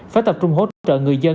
phải tập trung hỗ trợ người dân